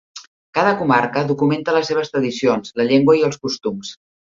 Cada comarca documenta les seves tradicions, la llengua i els costums.